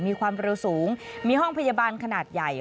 มีความเร็วสูงมีห้องพยาบาลขนาดใหญ่